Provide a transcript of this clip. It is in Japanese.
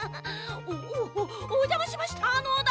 おおおじゃましましたのだ！